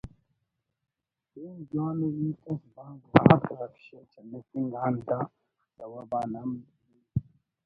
پین جوان ءُ ہیت اس بھاز آک رکشہ چلیفنگ آن دا سوب آن ہم بے